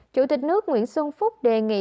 chủ tịch nước nguyễn xuân phúc đề nghị